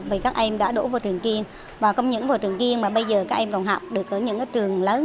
vì các em đã đổ vào trường kiên và không những vào trường kiên mà bây giờ các em còn học được ở những trường lớn